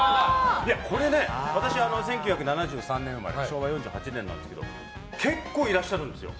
これね、私１９７３年生まれ昭和４８年なんですけど結構、いらっしゃるんですよ。